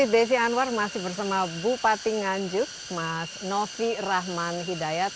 desi anwar masih bersama bupati nganjuk mas novi rahman hidayat